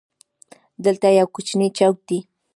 دلته یو کوچنی چوک دی.